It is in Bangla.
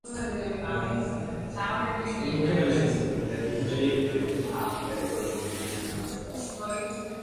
নয়ারহাট বাজারের পেছনে বংশী নদীর পূর্ব তীর ভরাট করে নির্মিত হচ্ছে রাস্তা।